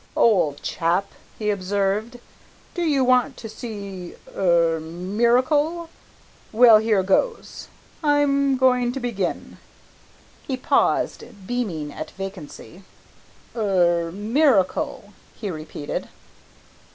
"Ole chap," he observed, "do you want to see er er miracle? Well, here goes. I'm goin' to begin." He paused, beaming at vacancy. "Er miracle," he repeated.